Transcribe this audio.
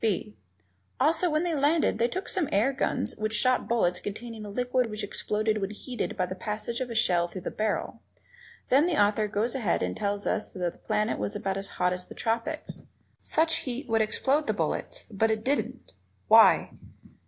(b) Also, when they landed they took some air guns which shot bullets containing a liquid which exploded when heated by the passage of the shell through the barrel; then the author goes ahead and tells us that the planet was about as hot as the tropics. Such heat should explode the bullets, but it didn't. Why?